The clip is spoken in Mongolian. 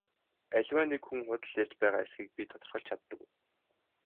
Аливаа нэг хүн худал ярьж байгаа эсэхийг би тодорхойлж чаддаг уу?